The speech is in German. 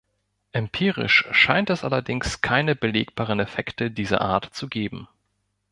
Empirisch scheint es allerdings keine belegbaren Effekte dieser Art zu geben.